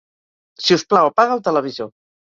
Si us plau, apaga el televisor.